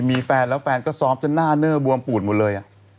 มีที่เขาเดินมั้ย